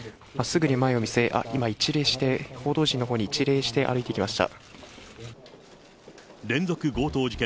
まっすぐに前を見据え、今、一礼して、報道陣のほうに一礼して歩いてきました。